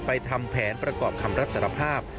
ทำแผนประกอบคำรับสารภาพ